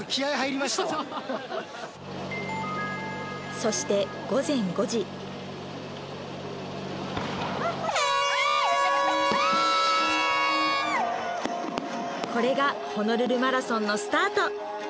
そしてこれがホノルルマラソンのスタート